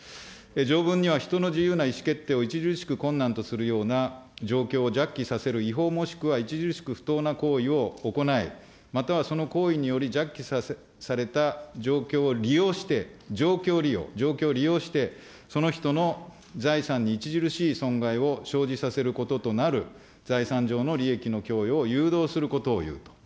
条文には、人の自由な意思決定を著しく困難とするような状況をじゃっきさせる違法もしくは著しく不当な行為を行い、またはその行為によりじゃっきされた状況を利用して、状況利用、状況を利用して、その人の財産に著しい損害を生じさせることとなる財産上の利益の供与を誘導することをいうと。